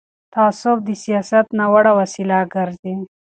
تعصب د سیاست ناوړه وسیله ګرځي